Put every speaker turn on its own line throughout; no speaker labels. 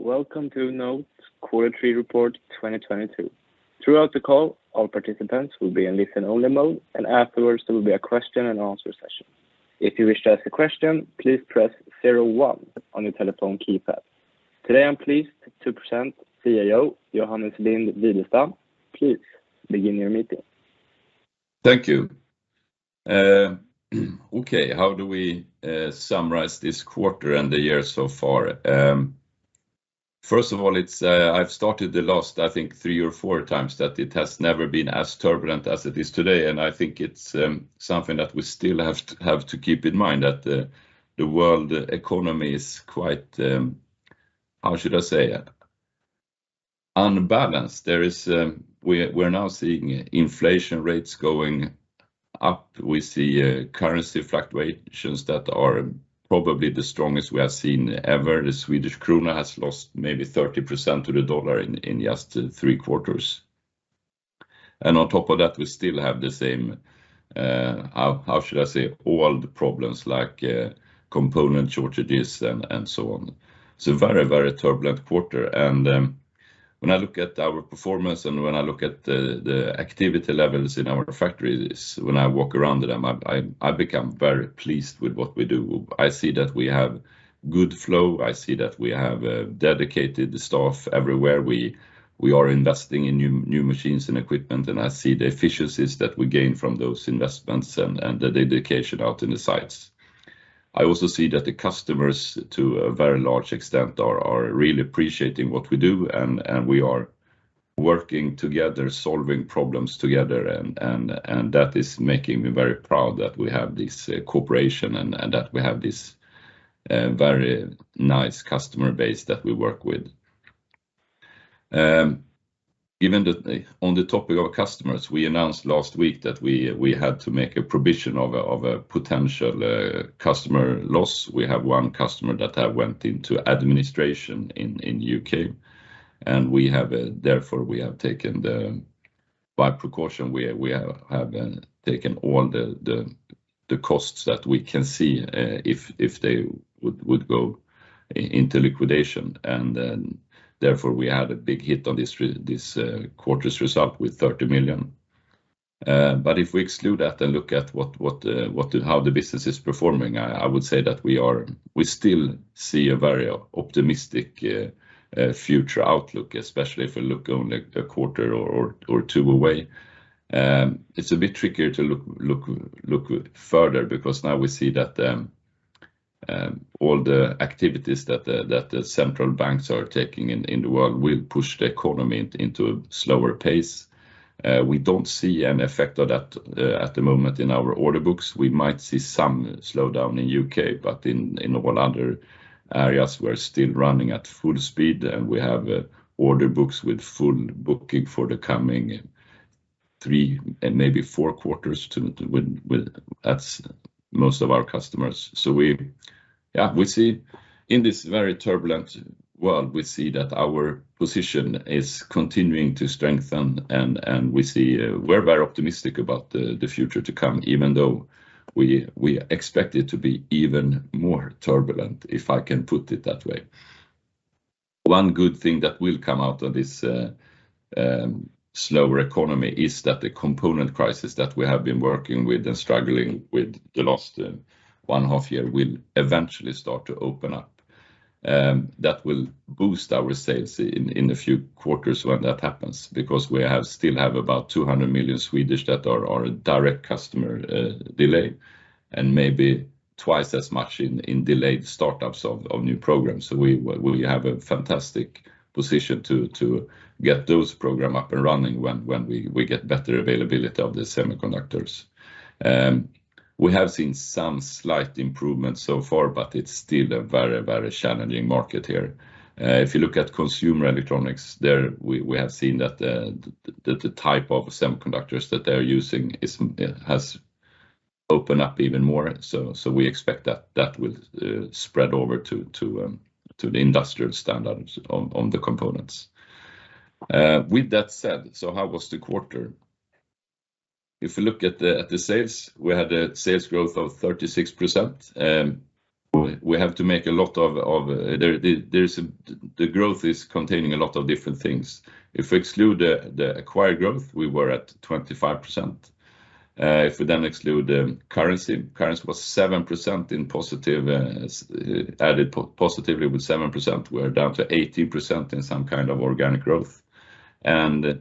Welcome to NOTE quarter three report 2022. Throughout the call, all participants will be in listen-only mode, and afterwards, there will be a question and answer session. If you wish to ask a question, please press zero one on your telephone keypad. Today, I'm pleased to present CEO Johannes Lind-Widestam. Please begin your meeting.
Thank you. Okay, how do we summarize this quarter and the year so far? First of all, it's. I've started the last, I think, three or four times that it has never been as turbulent as it is today, and I think it's something that we still have to keep in mind that the world economy is quite, how should I say it? Unbalanced. There is. We're now seeing inflation rates going up. We see currency fluctuations that are probably the strongest we have seen ever. The Swedish krona has lost maybe 30% to the dollar in just three quarters. On top of that, we still have the same, how should I say? old problems like component shortages and so on. A very, very turbulent quarter and when I look at our performance and when I look at the activity levels in our factories, when I walk around them, I become very pleased with what we do. I see that we have good flow. I see that we have dedicated staff everywhere. We are investing in new machines and equipment, and I see the efficiencies that we gain from those investments and the dedication out in the sites. I also see that the customers, to a very large extent, are really appreciating what we do and we are working together, solving problems together and that is making me very proud that we have this cooperation and that we have this very nice customer base that we work with. On the topic of customers, we announced last week that we had to make a provision of a potential customer loss. We have one customer that have went into administration in U.K., and therefore, as a precaution, we have taken all the costs that we can see if they would go into liquidation. Therefore, we had a big hit on this quarter's result with 30 million. If we exclude that and look at how the business is performing, I would say that we still see a very optimistic future outlook, especially if you look only a quarter or two away. It's a bit trickier to look further because now we see that all the activities that the central banks are taking in the world will push the economy into a slower pace. We don't see an effect of that at the moment in our order books. We might see some slowdown in U.K., but in all other areas, we're still running at full speed, and we have order books with full booking for the coming three and maybe four quarters with at most of our customers. Yeah, we see in this very turbulent world that our position is continuing to strengthen, and we see we're very optimistic about the future to come even though we expect it to be even more turbulent, if I can put it that way. One good thing that will come out of this slower economy is that the component crisis that we have been working with and struggling with the last one half year will eventually start to open up. That will boost our sales in a few quarters when that happens because we still have about 200 million that are a direct customer delay and maybe twice as much in delayed startups of new programs. We have a fantastic position to get those program up and running when we get better availability of the semiconductors. We have seen some slight improvements so far, but it's still a very, very challenging market here. If you look at consumer electronics, we have seen that the type of semiconductors that they're using has opened up even more. We expect that will spread over to the industrial standards on the components. With that said, how was the quarter? If you look at the sales, we had a sales growth of 36%. The growth is containing a lot of different things. If we exclude the acquired growth, we were at 25%. If we then exclude the currency was 7% in positive, added positively with 7%, we're down to 18% in some kind of organic growth. We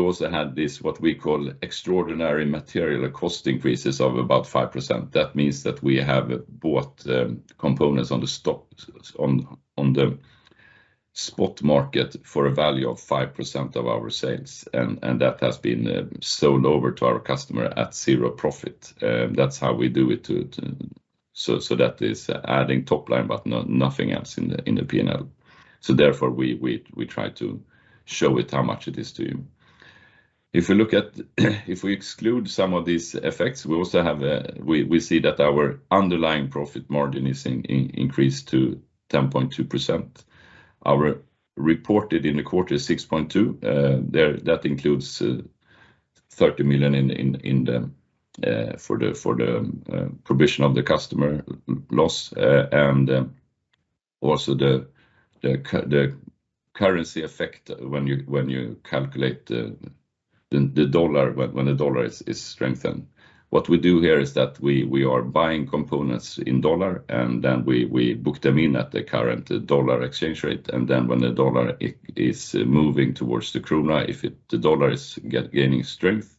also had this what we call extraordinary material cost increases of about 5%. That means that we have bought components on the stock, on the spot market for a value of 5% of our sales and that has been sold over to our customer at zero profit. That's how we do it. That is adding top line, but nothing else in the P&L. Therefore, we try to show it how much it is to you. If we exclude some of these effects, we see that our underlying profit margin is increased to 10.2%. Our reported in the quarter is 6.2%. That includes 30 million for the provision for the customer loss, and also the currency effect when you calculate the dollar when the dollar is strengthened. What we do here is that we are buying components in dollar and then we book them in at the current dollar exchange rate. When the dollar is moving towards the krona, the dollar is gaining strength,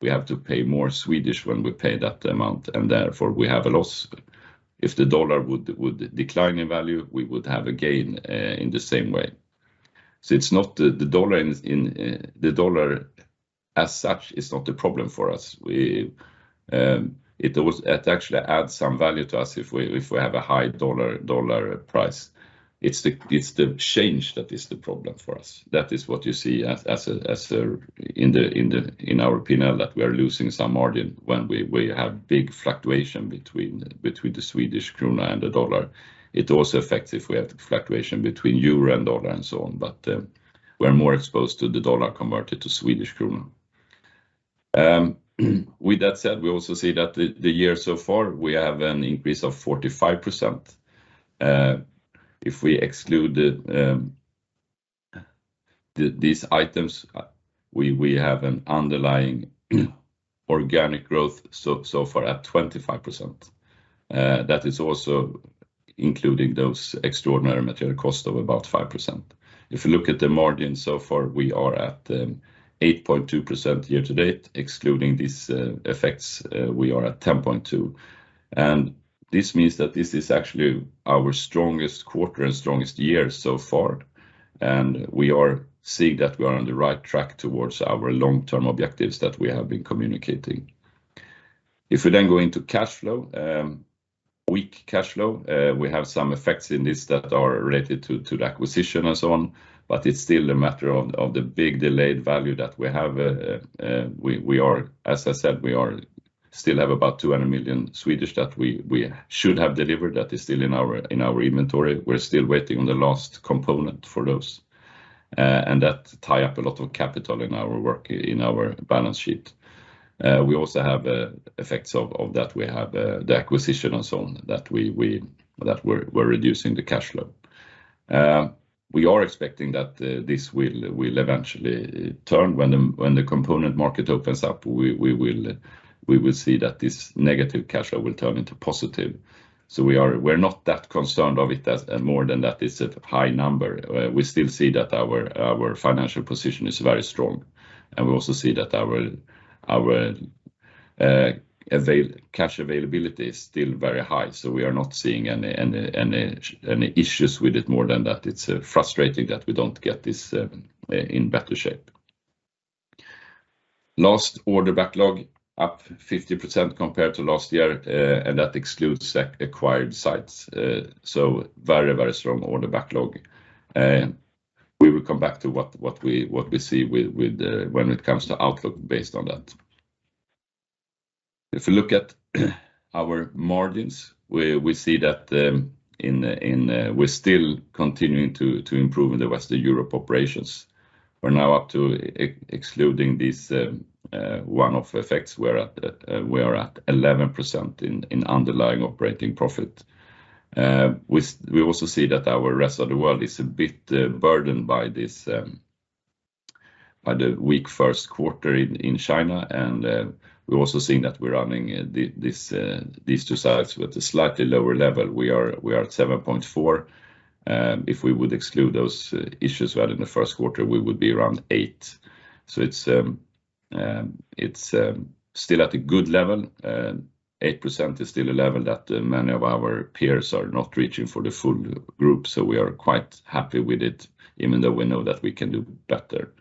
we have to pay more Swedish krona when we pay that amount, and therefore we have a loss. If the dollar would decline in value, we would have a gain in the same way. The dollar as such is not the problem for us. It actually adds some value to us if we have a high dollar price. It's the change that is the problem for us. That is what you see as a hit in our P&L, that we are losing some margin when we have big fluctuation between the Swedish krona and the dollar. It also affects if we have the fluctuation between euro and dollar and so on. We're more exposed to the dollar converted to Swedish krona. With that said, we also see that the year so far we have an increase of 45%. If we exclude these items, we have an underlying organic growth so far at 25%. That is also including those extraordinary material cost of about 5%. If you look at the margin so far, we are at 8.2% year to date. Excluding these effects, we are at 10.2%. This means that this is actually our strongest quarter and strongest year so far. We are seeing that we are on the right track towards our long-term objectives that we have been communicating. If we then go into cash flow, weak cash flow, we have some effects in this that are related to the acquisition and so on, but it's still a matter of the big delayed value that we have. As I said, we are still have about 200 million that we should have delivered that is still in our inventory. We're still waiting on the last component for those, and that ties up a lot of capital in our working capital in our balance sheet. We also have effects of that. We have the acquisition and so on that is reducing the cash flow. We are expecting that this will eventually turn when the component market opens up. We will see that this negative cash flow will turn into positive. We're not that concerned of it as more than that is a high number. We still see that our financial position is very strong, and we also see that our cash availability is still very high. We are not seeing any issues with it more than that. It's frustrating that we don't get this in better shape. Last order backlog up 50% compared to last year, and that excludes acquired sites. Very strong order backlog. We will come back to what we see when it comes to outlook based on that. If you look at our margins, we see that we're still continuing to improve in the Western Europe operations. We're now up to, excluding these one-off effects. We are at 11% in underlying operating profit. We also see that our rest of the world is a bit burdened by this by the weak first quarter in China. We're also seeing that we're running these two sites with a slightly lower level. We are at 7.4%. If we would exclude those issues we had in the first quarter, we would be around 8%. It's still at a good level. 8% is still a level that many of our peers are not reaching for the full group, so we are quite happy with it even though we know that we can do better.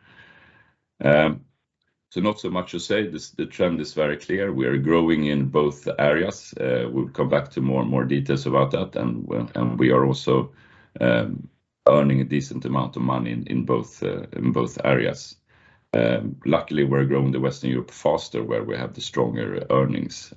Not so much to say. The trend is very clear. We are growing in both areas. We'll come back to more and more details about that. We are also earning a decent amount of money in both areas. Luckily, we're growing the Western Europe faster, where we have the stronger earnings.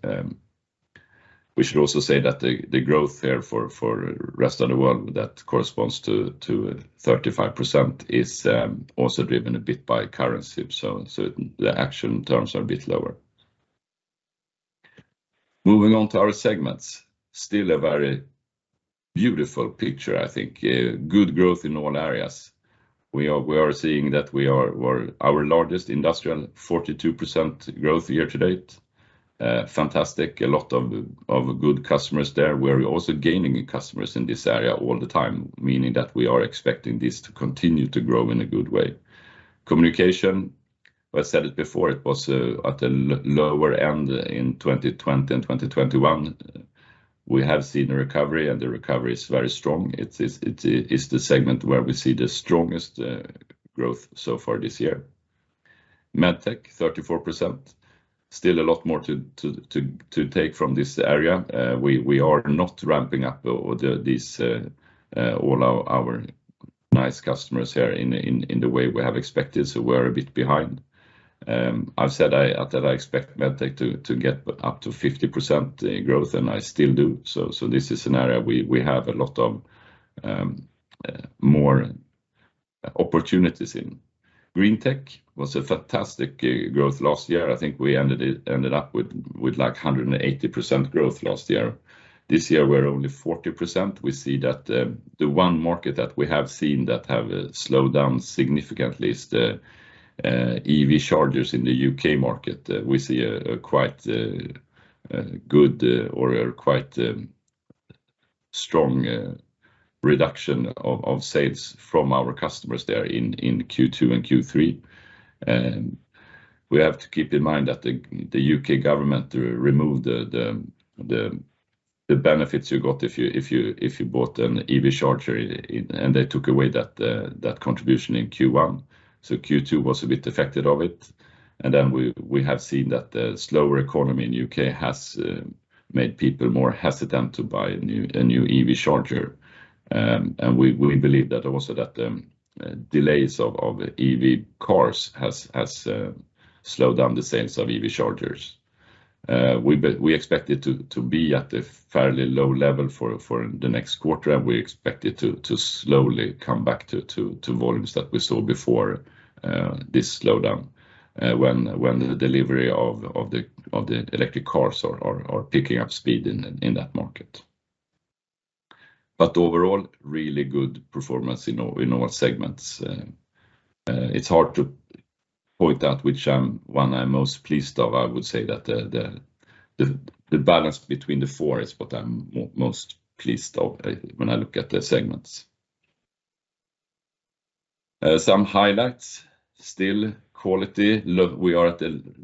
We should also say that the growth here for rest of the world that corresponds to 35% is also driven a bit by currency. The actual terms are a bit lower. Moving on to our segments, still a very beautiful picture, I think. Good growth in all areas. We are seeing that our largest industrial 42% growth year to date. Fantastic. A lot of good customers there. We're also gaining customers in this area all the time, meaning that we are expecting this to continue to grow in a good way. Communication, I said it before, it was at a lower end in 2020 and 2021. We have seen a recovery, and the recovery is very strong. It is the segment where we see the strongest growth so far this year. MedTech, 34%. Still a lot more to take from this area. We are not ramping up all our nice customers here in the way we have expected, so we're a bit behind. I've said that I expect MedTech to get up to 50% growth, and I still do. This is an area we have a lot of more opportunities in. Green Tech was a fantastic growth last year. I think we ended up with like 180% growth last year. This year we're only 40%. We see that the one market that we have seen that have slowed down significantly is the EV chargers in the U.K. market. We see a quite good or quite strong reduction of sales from our customers there in Q2 and Q3. We have to keep in mind that the U.K. government removed the benefits you got if you bought an EV charger, and they took away that contribution in Q1. Q2 was a bit affected of it. We have seen that the slower economy in U.K. has made people more hesitant to buy a new EV charger. We believe that also delays of EV cars has slowed down the sales of EV chargers. We expect it to be at a fairly low level for the next quarter, and we expect it to slowly come back to volumes that we saw before this slowdown, when the delivery of the electric cars are picking up speed in that market. Overall, really good performance in our segments. It's hard to point out which one I'm most pleased of. I would say that the balance between the four is what I'm most pleased of when I look at the segments. Some highlights. Still quality low.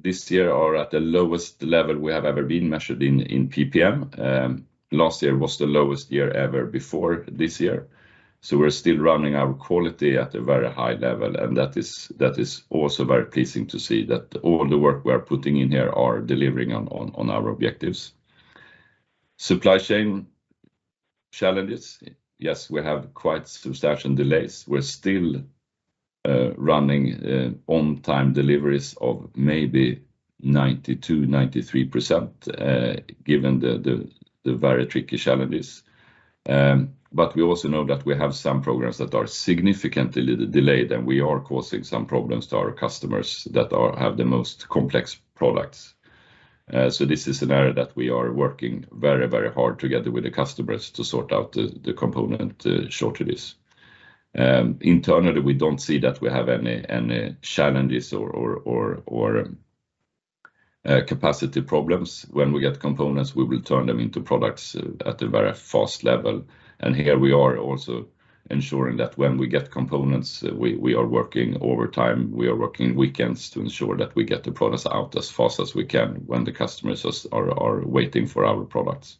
This year we are at the lowest level we have ever been measured in PPM. Last year was the lowest year ever before this year. We're still running our quality at a very high level, and that is also very pleasing to see that all the work we are putting in here are delivering on our objectives. Supply chain challenges. Yes, we have quite substantial delays. We're still running on time deliveries of maybe 92%-93%, given the very tricky challenges. We also know that we have some programs that are significantly delayed, and we are causing some problems to our customers that have the most complex products. This is an area that we are working very, very hard together with the customers to sort out the component shortages. Internally, we don't see that we have any challenges or capacity problems. When we get components, we will turn them into products at a very fast level. Here, we are also ensuring that when we get components, we are working overtime, we are working weekends to ensure that we get the products out as fast as we can when the customers are waiting for our products.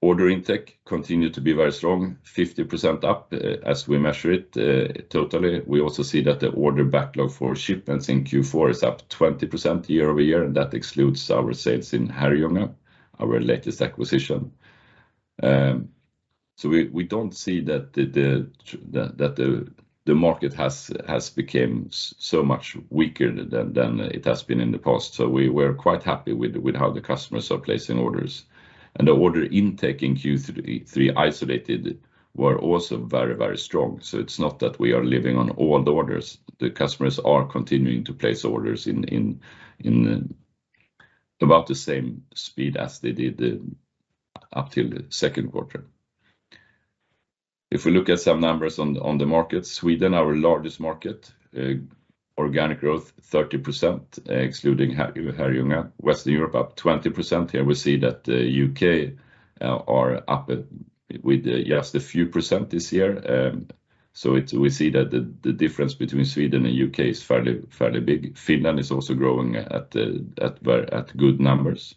Order intake continued to be very strong, 50% up, as we measure it. Totally, we also see that the order backlog for shipments in Q4 is up 20% year-over-year, and that excludes our sales in Herrljunga, our latest acquisition. We don't see that the market has become so much weaker than it has been in the past. We're quite happy with how the customers are placing orders. The order intake in Q3 isolated were also very, very strong, so it's not that we are living on old orders. The customers are continuing to place orders in about the same speed as they did up till the second quarter. If we look at some numbers on the market, Sweden, our largest market, organic growth 30%, excluding Herrljunga. Western Europe, up 20%. Here we see that the U.K. are up with just a few percent this year. We see that the difference between Sweden and U.K. is fairly big. Finland is also growing at good numbers.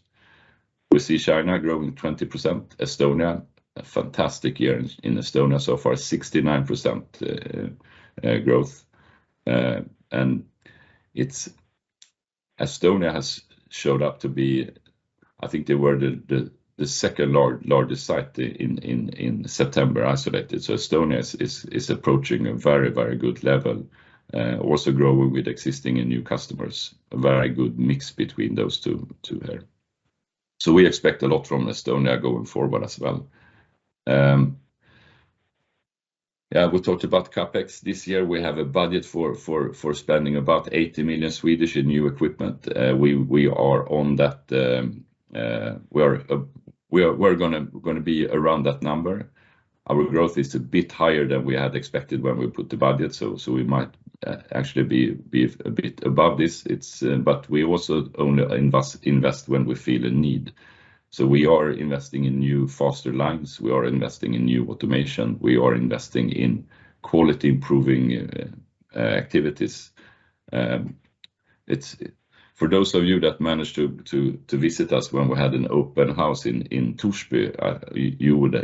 We see China growing 20%. Estonia, a fantastic year in Estonia so far, 69% growth. Estonia has showed up to be, I think they were the second largest site in September isolated. Estonia is approaching a very good level, also growing with existing and new customers. A very good mix between those two here. We expect a lot from Estonia going forward as well. We talked about CapEx. This year we have a budget for spending about 80 million in new equipment. We are on that. We are gonna be around that number. Our growth is a bit higher than we had expected when we put the budget, so we might actually be a bit above this. We also only invest when we feel a need. We are investing in new SMT lines, we are investing in new automation, we are investing in quality improving activities. It's for those of you that managed to visit us when we had an open house in Torsby,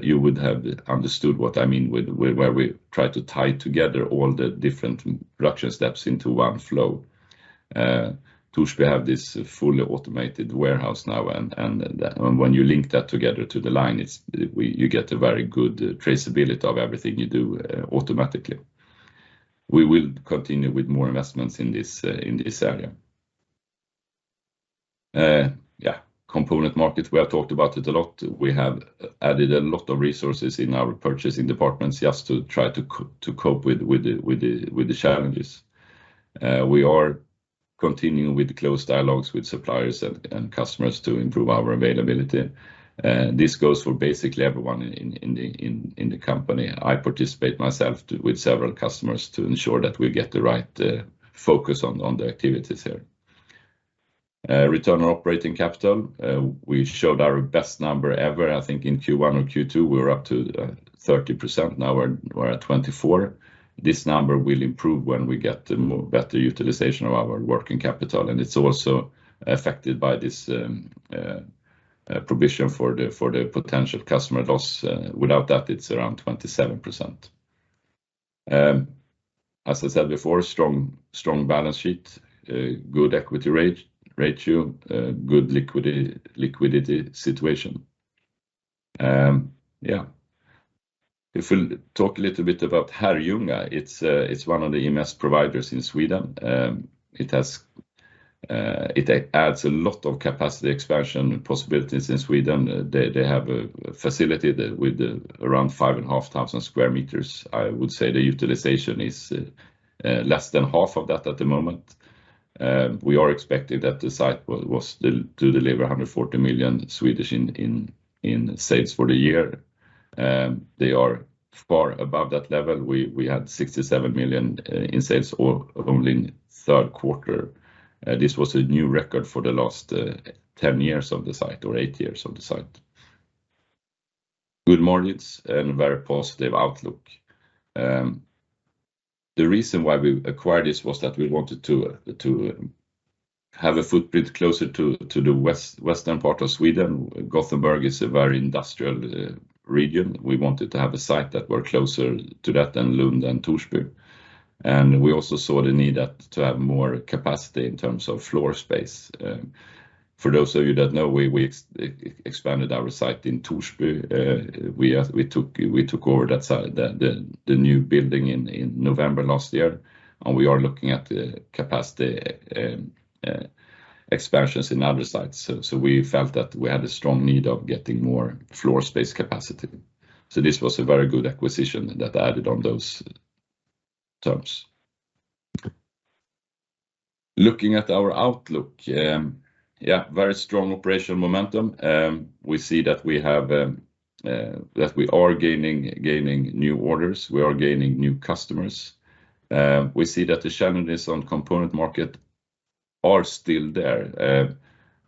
you would have understood what I mean where we try to tie together all the different production steps into one flow. Torsby have this fully automated warehouse now and when you link that together to the line, you get a very good traceability of everything you do automatically. We will continue with more investments in this area. Component market, we have talked about it a lot. We have added a lot of resources in our purchasing departments just to try to cope with the challenges. We are continuing with close dialogues with suppliers and customers to improve our availability. This goes for basically everyone in the company. I participate myself with several customers to ensure that we get the right focus on the activities here. Return on operating capital, we showed our best number ever, I think in Q1 or Q2, we were up to 30%. Now, we're at 24%. This number will improve when we get more better utilization of our working capital, and it's also affected by this provision for the potential customer loss. Without that, it's around 27%. As I said before, strong balance sheet, good equity ratio, good liquidity situation. If we talk a little bit about Herrljunga, it's one of the EMS providers in Sweden. It adds a lot of capacity expansion possibilities in Sweden. They have a facility with around 5,500 square meters. I would say the utilization is less than half of that at the moment. We are expecting that the site will deliver 140 million in sales for the year. They are far above that level. We had 67 million in sales only in third quarter. This was a new record for the last 10 years of the site or eight years of the site. Good margins and very positive outlook. The reason why we acquired this was that we wanted to have a footprint closer to the western part of Sweden. Gothenburg is a very industrial region. We wanted to have a site that were closer to that than Lund and Torsby. We also saw the need to have more capacity in terms of floor space. For those of you that know, we expanded our site in Torsby. We took over the new building in November last year, and we are looking at the capacity expansions in other sites. We felt that we had a strong need of getting more floor space capacity. This was a very good acquisition that added on those terms. Looking at our outlook, very strong operational momentum. We see that we are gaining new orders, we are gaining new customers. We see that the challenges in component market are still there.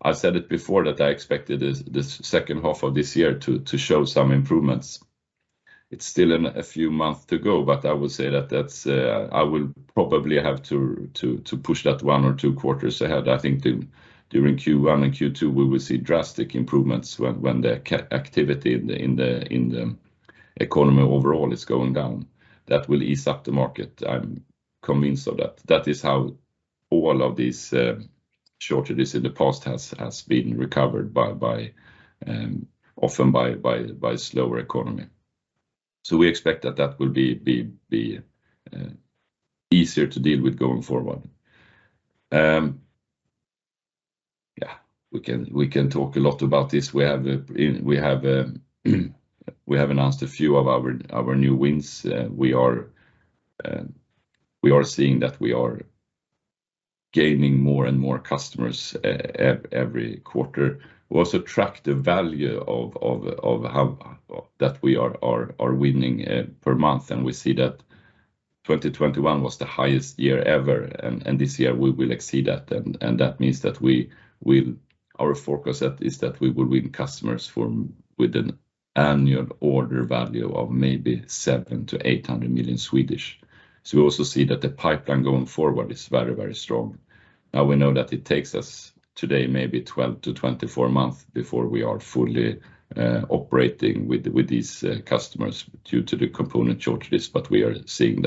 I said it before that I expected this second half of this year to show some improvements. It's still a few months to go, but I would say that's, I will probably have to push that one or two quarters ahead. I think during Q1 and Q2, we will see drastic improvements when the activity in the economy overall is going down. That will ease up the market. I'm convinced of that. That is how all of these shortages in the past has been recovered, often by slower economy. We expect that will be easier to deal with going forward. We can talk a lot about this. We have announced a few of our new wins. We are seeing that we are gaining more and more customers every quarter. We also track the value of that we are winning per month, and we see that 2021 was the highest year ever. This year, we will exceed that. That means that we will. Our focus is that we will win customers with annual order value of maybe 700 million-800 million. We also see that the pipeline going forward is very, very strong. Now, we know that it takes us today maybe 12-24 months before we are fully operating with these customers due to the component shortages, but we are seeing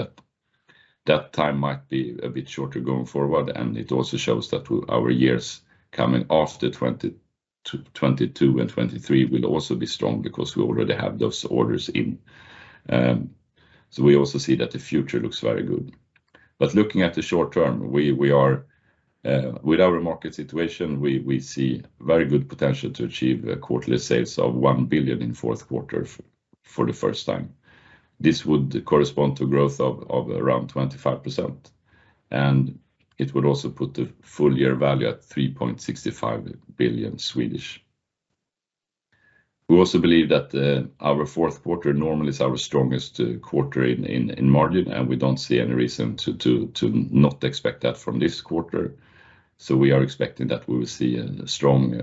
that time might be a bit shorter going forward. It also shows that our years coming after 2022 and 2023 will also be strong because we already have those orders in. We also see that the future looks very good. Looking at the short term, we are with our market situation, we see very good potential to achieve quarterly sales of 1 billion in fourth quarter for the first time. This would correspond to growth of around 25%, and it would also put the full year value at 3.65 billion. We also believe that our fourth quarter normally is our strongest quarter in margin, and we don't see any reason to not expect that from this quarter. We are expecting that we will see a strong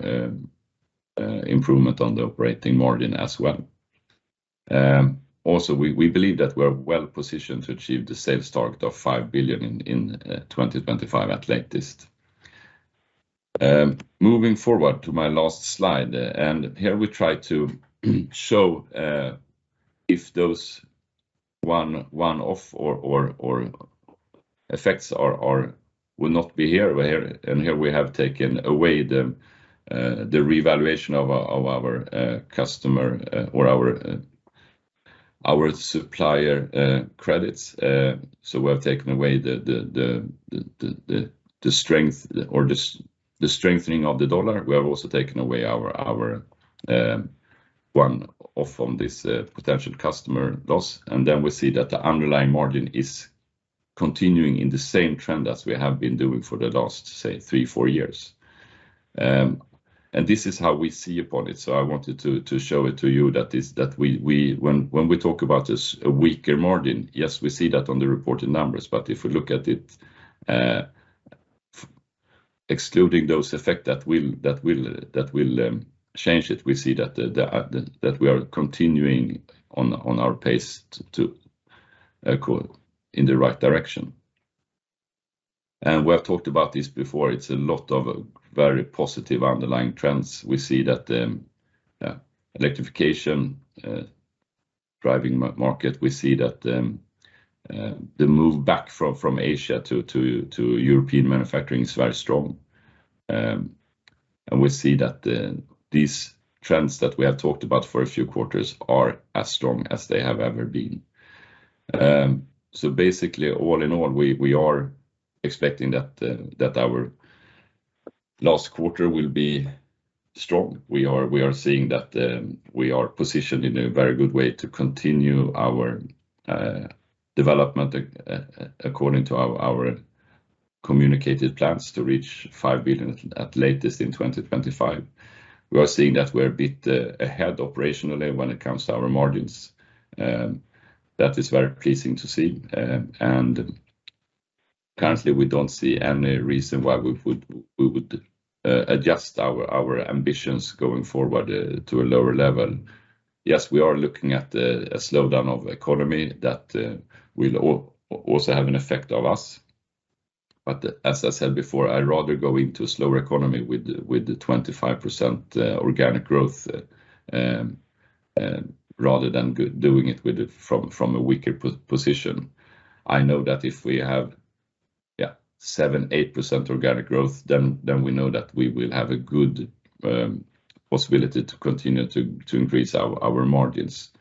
improvement on the operating margin as well. Also, we believe that we're well positioned to achieve the sales target of 5 billion in 2025 at latest. Moving forward to my last slide, here we try to show if those one-off or other effects will not be here, and here we have taken away the revaluation of our customer or our supplier credits, so we have taken away the strengthening of the dollar. We have also taken away our one-off on this potential customer loss. We see that the underlying margin is continuing in the same trend as we have been doing for the last, say, three, four years. This is how we see it. I wanted to show it to you that we, when we talk about this, a weaker margin, yes, we see that on the reported numbers. If we look at it, excluding those effects that will change it, we see that we are continuing on our pace to go in the right direction. We have talked about this before. It's a lot of very positive underlying trends. We see that, yeah, electrification driving market. We see that the move back from Asia to European manufacturing is very strong. We see that these trends that we have talked about for a few quarters are as strong as they have ever been. Basically all in all, we are expecting that our last quarter will be strong. We are seeing that we are positioned in a very good way to continue our development according to our communicated plans to reach 5 billion at latest in 2025. We are seeing that we're a bit ahead operationally when it comes to our margins. That is very pleasing to see. Currently, we don't see any reason why we would adjust our ambitions going forward to a lower level. Yes, we are looking at an economic slowdown that will also have an effect on us. I'd rather go into a slower economy with the 25% organic growth rather than from a weaker position. I know that if we have 7%-8% organic growth, then we know that we will have a good possibility to continue to increase our margins.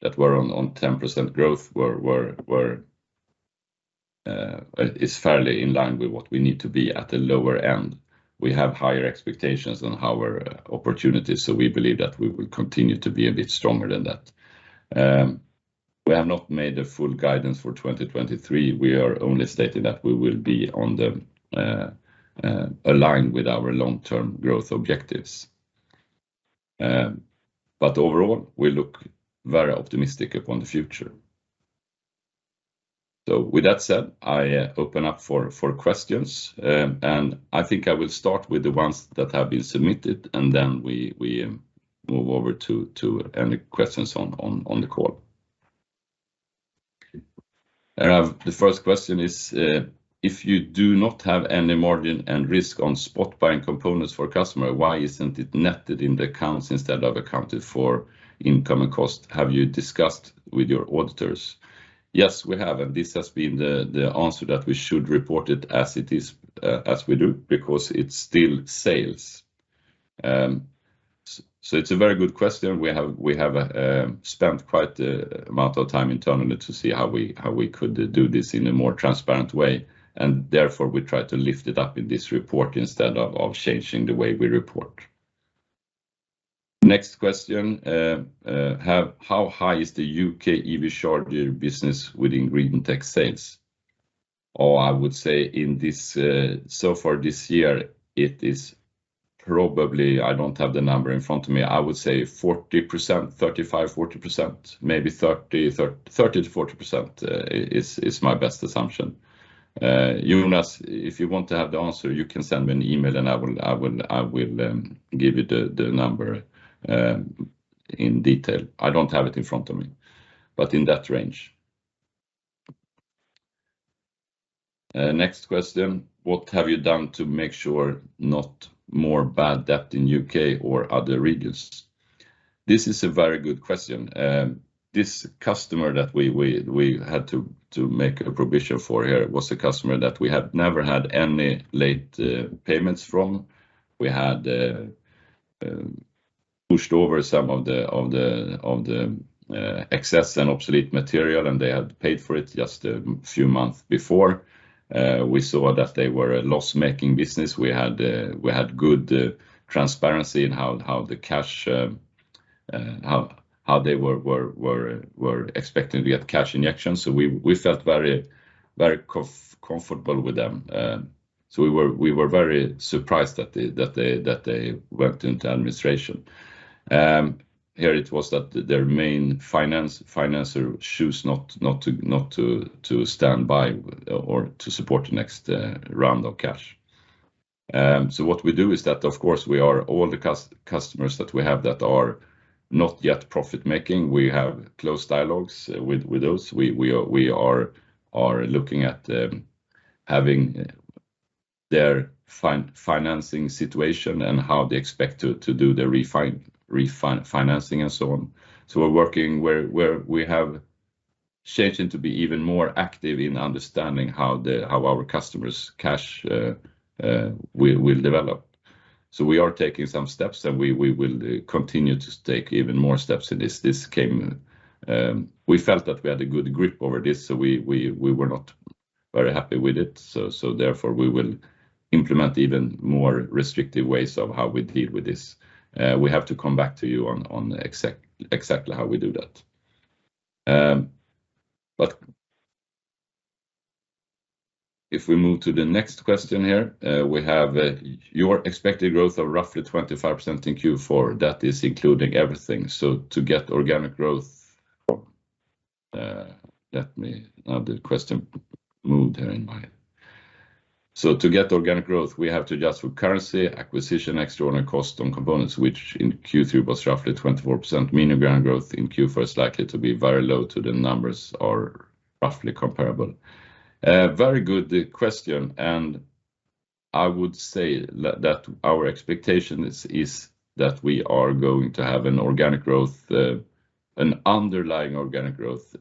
That we're on 10% growth. We're fairly in line with what we need to be at the lower end. We have higher expectations on our opportunities, so we believe that we will continue to be a bit stronger than that. We have not made a full guidance for 2023. We are only stating that we will be aligned with our long-term growth objectives. Overall, we look very optimistic upon the future. With that said, I open up for questions. I think I will start with the ones that have been submitted, and then we move over to any questions on the call. I have the first question is, "If you do not have any margin and risk on spot buying components for customer, why isn't it netted in the accounts instead of accounted for in common cost? Have you discussed with your auditors?" Yes, we have, and this has been the answer that we should report it as it is, as we do because it's still sales. So it's a very good question. We have spent quite an amount of time internally to see how we could do this in a more transparent way, and therefore, we try to lift it up in this report instead of changing the way we report. Next question, "How high is the U.K. EV short tail business within Green Tech sales?" Oh, I would say so far this year it is probably. I don't have the number in front of me. I would say 40%, 35%-40%, maybe 30%-40%, is my best assumption. Jonas, if you want to have the answer, you can send me an email and I will give you the number in detail. I don't have it in front of me, but in that range. Next question: "What have you done to make sure not more bad debt in U.K. or other regions?" This is a very good question. This customer that we had to make a provision for here was a customer that we had never had any late payments from. We had pushed over some of the excess and obsolete material, and they had paid for it just a few months before. We saw that they were a loss-making business. We had good transparency in how they were expecting to get cash injections, so we felt very comfortable with them. We were very surprised that they went into administration. Here it was that their main financier chose not to stand by or to support the next round of cash. What we do is that of course we are aware of all the customers that we have that are not yet profit-making. We have close dialogues with those. We are looking at their financing situation and how they expect to do the refinancing and so on. We're working to be even more active in understanding how our customers' cash will develop. We are taking some steps, and we will continue to take even more steps in this. This came. We felt that we had a good grip over this, so we were not very happy with it. Therefore, we will implement even more restrictive ways of how we deal with this. We have to come back to you on exactly how we do that. If we move to the next question here, we have your expected growth of roughly 25% in Q4. That is including everything. To get organic growth, we have to adjust for currency acquisition, extraordinary cost, and components, which in Q3 was roughly 24% mean organic growth. In Q4 is likely to be very low too, the numbers are roughly comparable. Very good question. I would say that our expectation is that we are going to have an organic growth, an underlying organic growth,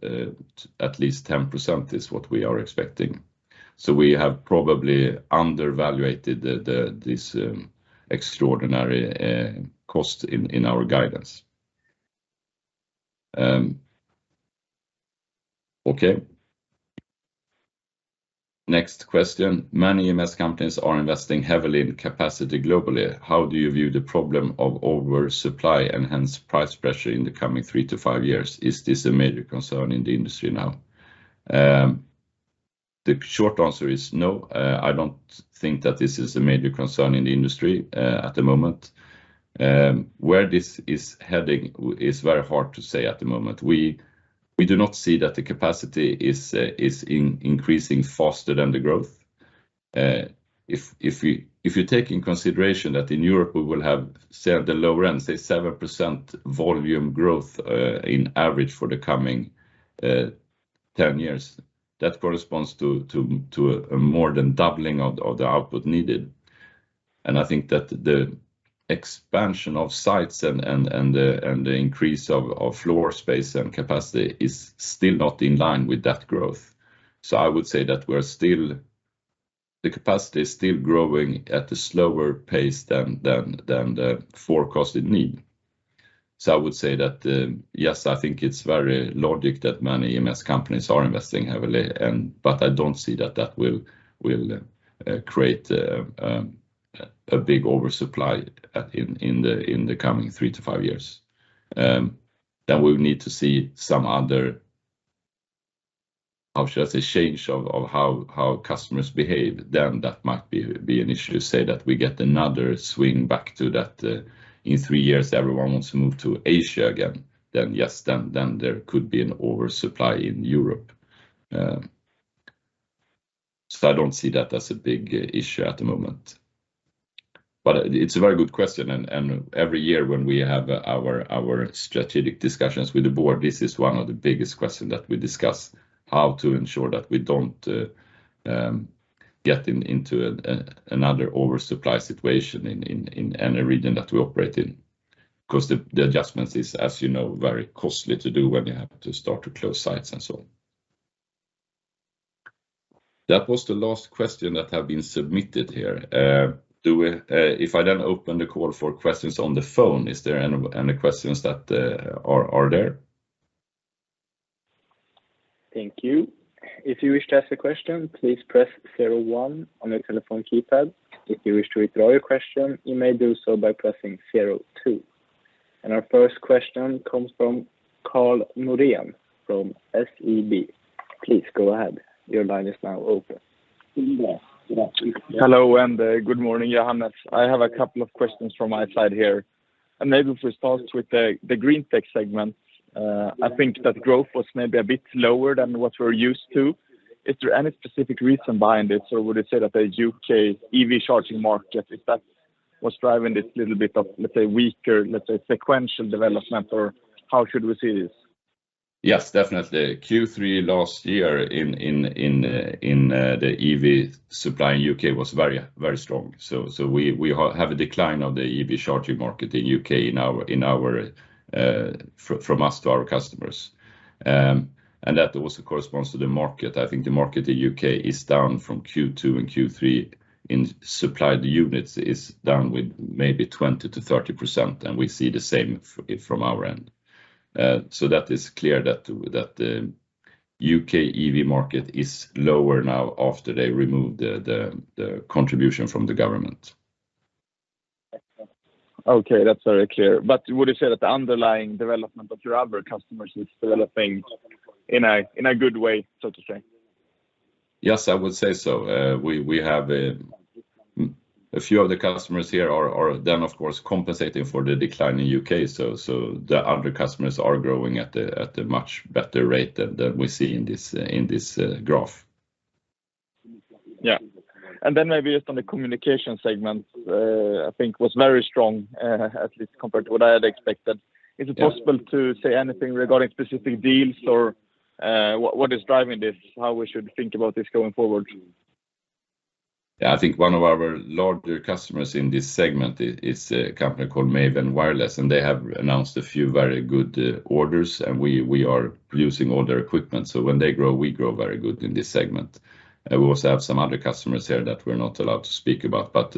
at least 10% is what we are expecting. We have probably undervalued this extraordinary cost in our guidance. Okay. Next question: Many EMS companies are investing heavily in capacity globally. How do you view the problem of oversupply and hence price pressure in the coming three to five years? Is this a major concern in the industry now? The short answer is no. I don't think that this is a major concern in the industry at the moment. Where this is heading is very hard to say at the moment. We do not see that the capacity is increasing faster than the growth. If you take into consideration that in Europe we will have say the lower end, say 7% volume growth, on average for the coming 10 years, that corresponds to more than doubling of the output needed. I think that the expansion of sites and the increase of floor space and capacity is still not in line with that growth. I would say that the capacity is still growing at a slower pace than the forecasted need. I would say that, yes, I think it's very logical that many EMS companies are investing heavily, but I don't see that that will create a big oversupply in the coming three to five years. We'll need to see some other change of how customers behave, that might be an issue. Say that we get another swing back to that in three years, everyone wants to move to Asia again, then yes, there could be an oversupply in Europe. I don't see that as a big issue at the moment. It's a very good question. Every year when we have our strategic discussions with the board, this is one of the biggest question that we discuss, how to ensure that we don't get into another oversupply situation in any region that we operate in. 'Cause the adjustments is, as you know, very costly to do when you have to start to close sites and so on. That was the last question that have been submitted here. If I then open the call for questions on the phone, is there any questions that are there?
Thank you. If you wish to ask a question, please press zero one on your telephone keypad. If you wish to withdraw your question, you may do so by pressing zero two. Our first question comes from Karl Norén from SEB. Please go ahead. Your line is now open.
Hello, good morning, Johannes. I have a couple of questions from my side here. Maybe if we start with the Green Tech segment. I think that growth was maybe a bit lower than what we're used to. Is there any specific reason behind it, or would you say that the U.K. EV charging market if that was driving this little bit of, let's say, weaker sequential development, or how should we see this?
Yes, definitely. Q3 last year in the EV supply in U.K. was very, very strong. We have a decline of the EV charging market in U.K. in our from us to our customers. That also corresponds to the market. I think the market in U.K. is down from Q2 and Q3 in supplied units is down with maybe 20%-30%, and we see the same from our end. That is clear that the U.K. EV market is lower now after they removed the contribution from the government.
Okay. That's very clear. Would you say that the underlying development of your other customers is developing in a good way, so to say?
Yes, I would say so. We have a few of the customers here are then of course compensating for the decline in U.K. The other customers are growing at a much better rate than we see in this graph.
Maybe just on the communication segment, I think was very strong, at least compared to what I had expected.
Yeah.
Is it possible to say anything regarding specific deals or what is driving this? How we should think about this going forward?
Yeah, I think one of our larger customers in this segment is a company called Maven Wireless, and they have announced a few very good orders, and we are using all their equipment. When they grow, we grow very good in this segment. We also have some other customers here that we're not allowed to speak about. But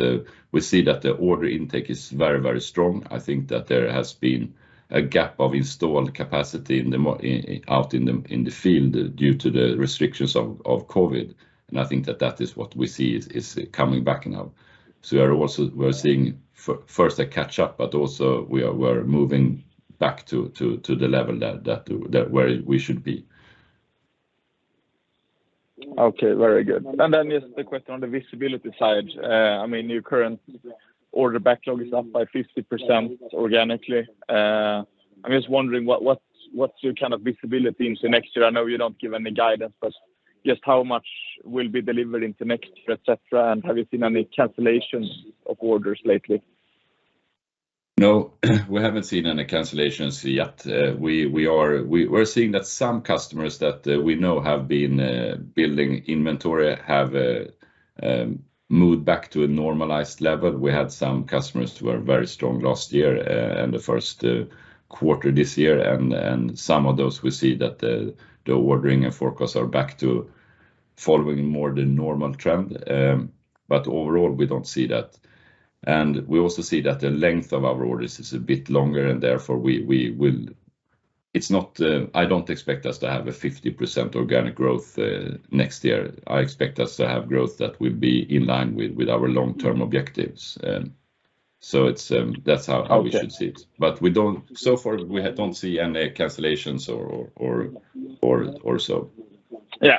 we see that the order intake is very strong. I think that there has been a gap of installed capacity in the field due to the restrictions of COVID. I think that that is what we see is coming back now. We are also seeing first a catch-up, but also we are moving back to the level that where we should be.
Okay, very good. Then just a question on the visibility side. I mean, your current order backlog is up by 50% organically. I'm just wondering what's your kind of visibility into next year? I know you don't give any guidance, but just how much will be delivered into next year, et cetera, and have you seen any cancellations of orders lately?
No, we haven't seen any cancellations yet. We're seeing that some customers that we know have been moved back to a normalized level. We had some customers who were very strong last year, and the first quarter this year. Some of those we see that the ordering and forecasts are back to following more the normal trend. Overall, we don't see that. We also see that the length of our orders is a bit longer, and therefore we will. It's not. I don't expect us to have 50% organic growth next year. I expect us to have growth that will be in line with our long-term objectives. That's how.
Okay.
So far we don't see any cancellations or so.
Yeah.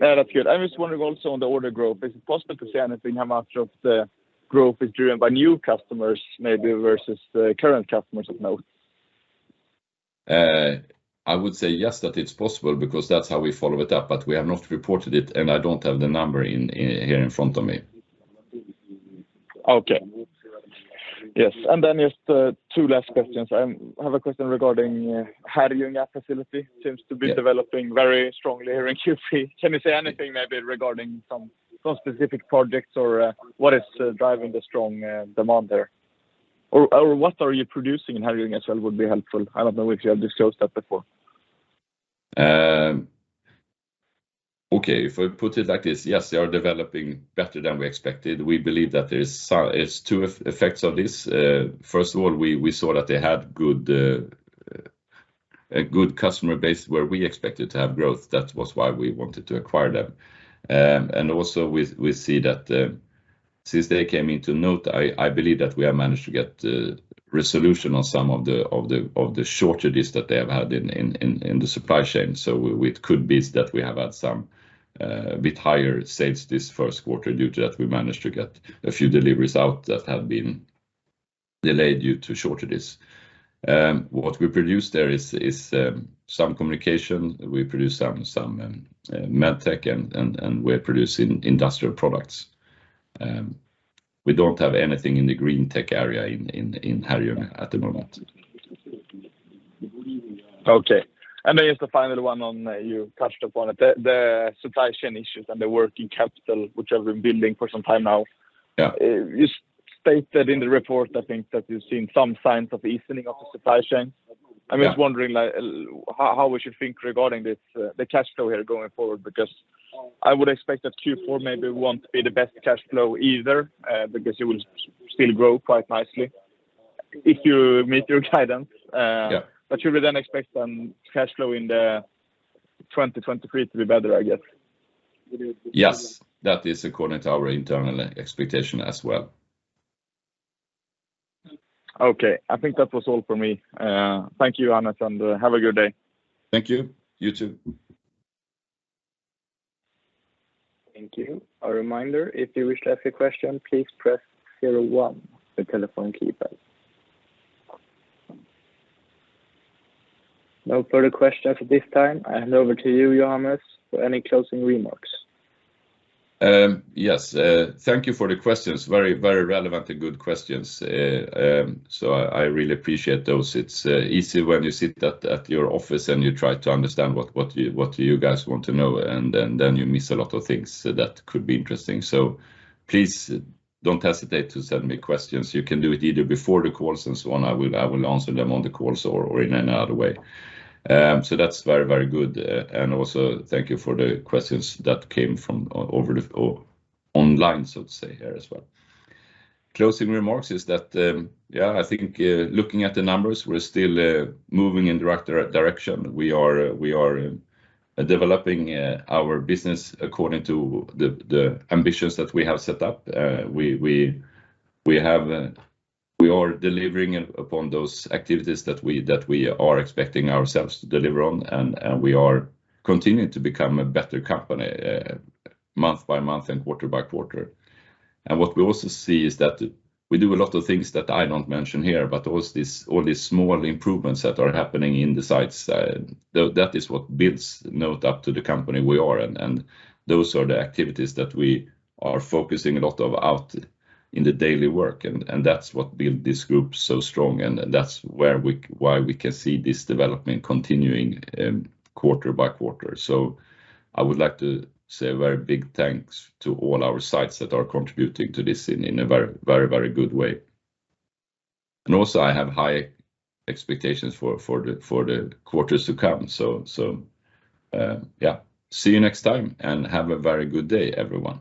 That appeared. I was wondering also on the order growth, is it possible to say anything how much of the growth is driven by new customers maybe versus the current customers of NOTE?
I would say yes, that it's possible because that's how we follow it up, but we have not reported it, and I don't have the number in here in front of me.
Okay. Yes. Just two last questions. I have a question regarding Herrljunga facility.
Yeah.
Seems to be developing very strongly here in Q3. Can you say anything maybe regarding some specific projects or what is driving the strong demand there? Or what are you producing in Herrljunga as well would be helpful. I don't know if you have disclosed that before.
Okay. If I put it like this, yes, they are developing better than we expected. We believe that there is there's two effects of this. First of all, we saw that they had a good customer base where we expected to have growth. That was why we wanted to acquire them. Also we see that since they came into NOTE, I believe that we have managed to get resolution on some of the shortages that they have had in the supply chain. It could be that we have had a bit higher sales this first quarter due to that we managed to get a few deliveries out that have been delayed due to shortages. What we produce there is some communication. We produce some MedTech and we're producing industrial products. We don't have anything in the Green Tech area in Herrljunga at the moment.
Okay. There is the final one on, you touched upon it, the supply chain issues and the working capital, which has been building for some time now.
Yeah.
You stated in the report, I think, that you've seen some signs of the easing of the supply chain.
Yeah.
I'm just wondering, like, how we should think regarding this, the cash flow here going forward, because I would expect that Q4 maybe won't be the best cash flow either, because you will still grow quite nicely if you meet your guidance.
Yeah.
You would then expect cash flow in 2023 to be better, I guess.
Yes. That is according to our internal expectation as well.
Okay. I think that was all for me. Thank you, Johannes, and have a good day.
Thank you. You too.
Thank you. A reminder, if you wish to ask a question, please press zero one on the telephone keypad. No further questions at this time. I hand over to you, Johannes, for any closing remarks.
Yes. Thank you for the questions. Very relevant and good questions. So I really appreciate those. It's easy when you sit at your office and you try to understand what you guys want to know, and then you miss a lot of things that could be interesting. Please don't hesitate to send me questions. You can do it either before the calls and so on. I will answer them on the calls or in any other way. So that's very good. And also thank you for the questions that came from online, so to say, here as well. Closing remarks is that, yeah, I think looking at the numbers, we're still moving in the right direction. We are developing our business according to the ambitions that we have set up. We are delivering upon those activities that we are expecting ourselves to deliver on, and we are continuing to become a better company, month by month and quarter by quarter. What we also see is that we do a lot of things that I don't mention here, but all these small improvements that are happening in the sites, that is what builds NOTE up to the company we are. Those are the activities that we are focusing a lot on our daily work, and that's what build this group so strong, and that's why we can see this development continuing, quarter by quarter. I would like to say a very big thanks to all our sites that are contributing to this in a very good way. Also, I have high expectations for the quarters to come. Yeah, see you next time, and have a very good day, everyone.